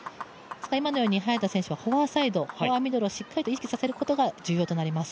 今のように早田選手はフォアサイド、フォアミドルをしっかりと意識させることが大事になります。